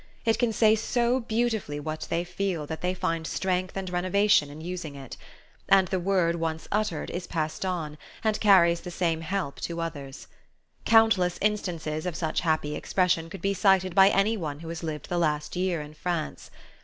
It can say so beautifully what they feel that they find strength and renovation in using it; and the word once uttered is passed on, and carries the same help to others. Countless instances of such happy expression could be cited by any one who has lived the last year in France.